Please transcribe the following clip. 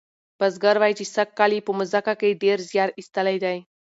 بزګر وایي چې سږکال یې په مځکه کې ډیر زیار ایستلی دی.